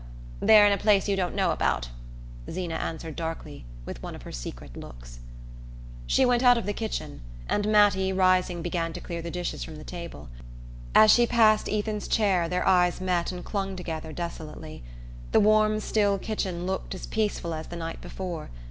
They're in a place you don't know about," Zeena answered darkly, with one of her secret looks. She went out of the kitchen and Mattie, rising, began to clear the dishes from the table. As she passed Ethan's chair their eyes met and clung together desolately. The warm still kitchen looked as peaceful as the night before.